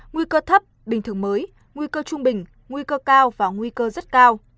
nguy cơ thấp bình thường mới nguy cơ trung bình nguy cơ cao và nguy cơ rất cao